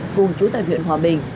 cùng chú tại huyện hòa bình